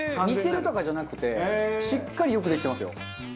似てるとかじゃなくてしっかりよくできてますよ。